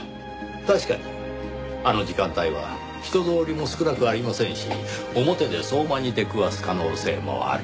確かにあの時間帯は人通りも少なくありませんし表で相馬に出くわす可能性もある。